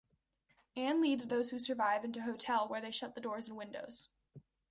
Anne leads those who survive into hotel, where they shut the doors and windows.